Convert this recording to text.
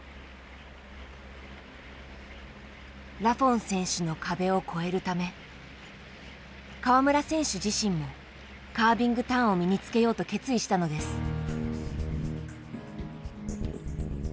ラフォン選手の壁を越えるため川村選手自身もカービングターンを身につけようと決意したのです。